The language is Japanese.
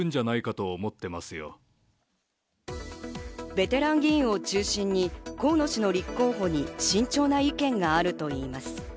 ベテラン議員を中心に河野氏の立候補に慎重な意見があるといいます。